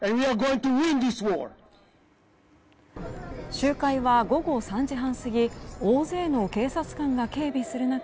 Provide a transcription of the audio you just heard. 集会は午後３時半過ぎ大勢の警察官が警備する中